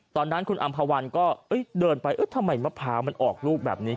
ตอนนั้นคุณอำภาวันก็เดินไปทำไมมะพร้าวมันออกลูกแบบนี้